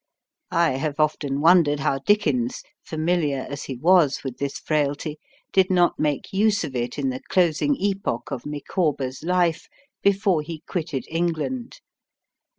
I have often wondered how Dickens, familiar as he was with this frailty, did not make use of it in the closing epoch of Micawber's life before he quitted England.